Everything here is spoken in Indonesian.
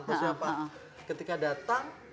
terus ya mbak ketika datang